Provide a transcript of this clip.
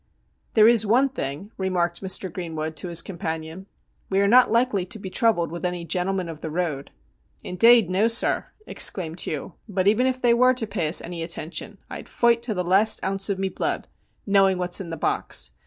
' There is one thing,' remarked Mr. Greenwood to his companion, ' we are not likely to be troubled with any gentle men of the road.' ' Indade, no sir,' exclaimed Hugh ;' but even if they were to pay us any attention, I'd foight till the last ounce of me blood, knowing what's in the box.